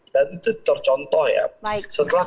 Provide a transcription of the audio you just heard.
dan itu tercontoh ya setelah